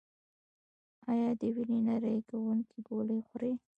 ایا د وینې نری کوونکې ګولۍ خورئ؟